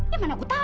ya mana aku tau